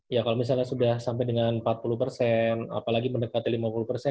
ya kalau misalnya sudah sampai dengan empat puluh persen apalagi mendekati lima puluh persen